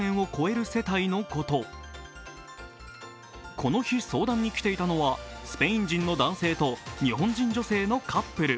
この日、相談に来ていたのはスペイン人の男性と日本人女性のカップル。